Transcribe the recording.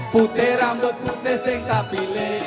putih rambut besi tetapi